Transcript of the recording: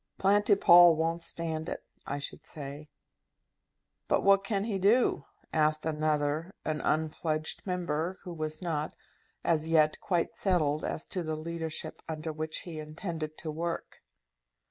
"Planty Pall won't stand it, I should say." "What can he do?" asked another, an unfledged Member who was not as yet quite settled as to the leadership under which he intended to work.